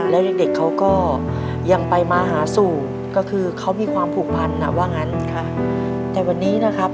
และเด็กก็ยังไปมาหาศูกษ์ก็คือเขามีความผูกพันแต่วันนี้นะครับ